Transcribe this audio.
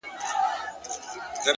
اخلاق د انسان پټ سرمایه ده،